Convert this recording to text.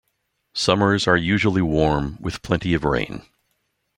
Summers are usually warm, with plenty of rain.